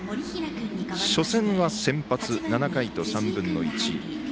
初戦は先発、７回と３分の１。